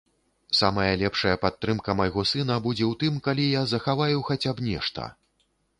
Самая лепшая падтрымка майго сына будзе ў тым, калі я захаваю хаця б нешта.